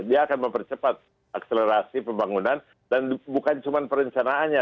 dia akan mempercepat akselerasi pembangunan dan bukan cuma perencanaannya